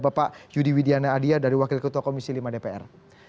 bapak yudi widiana adia dari wakil ketua komisi lima dpr